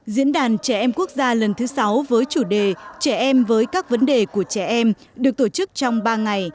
diễn đàn trẻ em quốc gia lần thứ sáu với chủ đề trẻ em với các vấn đề của trẻ em được tổ chức trong ba ngày